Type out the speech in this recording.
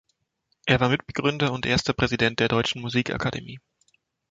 Er war Mitbegründer und erster Präsident der Deutschen Musikakademie.